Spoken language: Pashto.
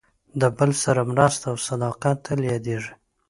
د بل سره مرسته او صداقت تل یادېږي.